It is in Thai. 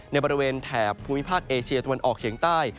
ในบริเวณแถบภูมิภาคเอเชียตะวันออกเฉียงใต้